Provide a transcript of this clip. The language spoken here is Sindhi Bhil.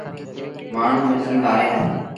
مآڻهوٚݩ مڇيٚ مآرين دآ۔